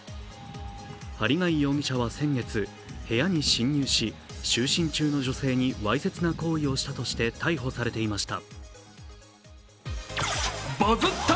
針谷容疑者は先月部屋に侵入し就寝中の女性にわいせつな行為をしたとして逮捕されていました。